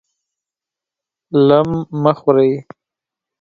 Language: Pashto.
لم مه خورئ!